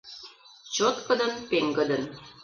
Чоткыдын, пеҥгыдын.